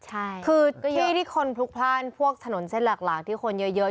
ใช่คือที่ที่คนพลุกพลาดพวกถนนเส้นหลักที่คนเยอะ